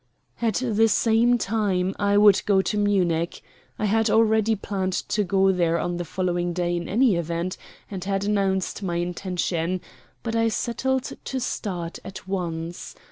At the same time I would go to Munich. I had already planned to go there on the following day in any event, and had announced my intention; but I settled to start at once.